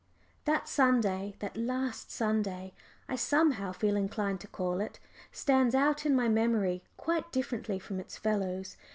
That Sunday that last Sunday I somehow feel inclined to call it stands out in my memory quite differently from its fellows.